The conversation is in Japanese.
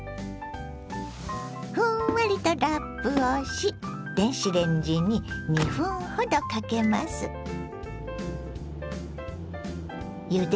ふんわりとラップをし電子レンジに２分ほどかけます。